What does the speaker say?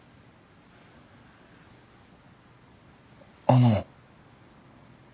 あの。